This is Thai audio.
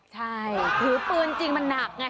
ใช่ถือปืนจริงมันหนักไง